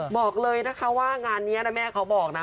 บอกเลยนะคะว่างานนี้นะแม่เขาบอกนะ